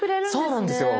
そうなんですよ。